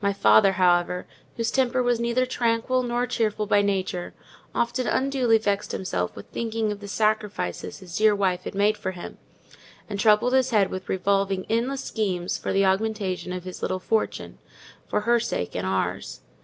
My father, however, whose temper was neither tranquil nor cheerful by nature, often unduly vexed himself with thinking of the sacrifices his dear wife had made for him; and troubled his head with revolving endless schemes for the augmentation of his little fortune, for her sake and ours.